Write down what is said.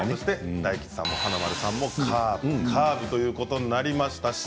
大吉さんも華丸さんもカーブということになりました。